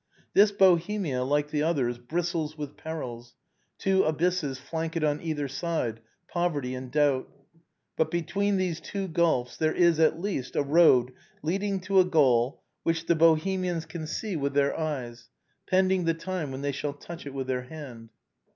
This Bohemia, like the others, bristles with perils, two abysses flank it on either side — poverty and doubt. But between these two gulfs there is at least a road leading to a goal which the Bohemians can see with their eyes, pending the time when they shall touch :t with their hand.